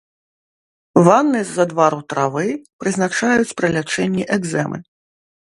Ванны з адвару травы прызначаюць пры лячэнні экзэмы.